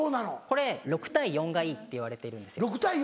これ６対４がいいっていわれてるんです。